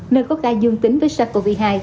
nơi có ca dương tính với sars cov hai